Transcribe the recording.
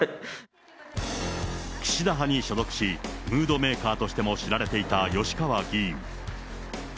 岸田派に所属し、ムードメーカーとしても知られていた吉川議員。